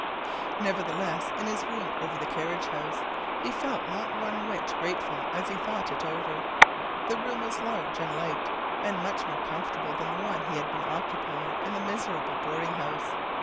Nevertheless, in his room over the carriage house, he felt not one whit grateful as he thought it over. The room was large and light and much more comfortable than the one he had been occupying in the miserable boarding house.